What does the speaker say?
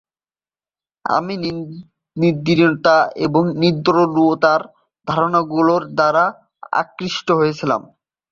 আমি নিদ্রাহীনতা ও নিদ্রালুতার ধারণাগুলোর দ্বারা আকৃষ্ট হয়েছিলাম।